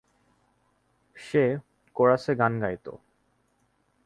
সে কোরাসে গান গাইত!